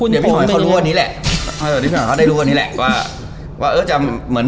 ให้พี่หอยที่มิดังเข้ารู้ว่านี้แหละ